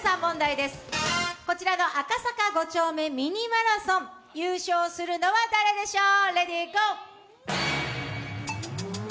こちらの赤坂５丁目ミニマラソン、優勝するのは誰でしょう？